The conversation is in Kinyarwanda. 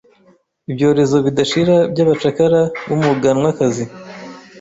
Ibyorezo bidashira by'abacakara b'umuganwakazi